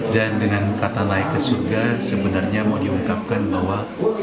dan dengan kata naik ke surga sebenarnya mau diungkapkan bahwa